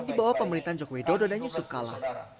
di bawah pemerintahan joko widodo dan yusuf kala